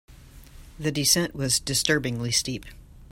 The descent was disturbingly steep.